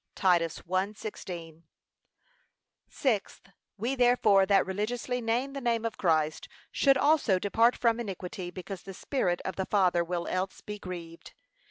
(Titus 1:16) Sixth, We therefore that religiously name the name of Christ, should also depart from iniquity, because the Spirit of the Father will else be grieved.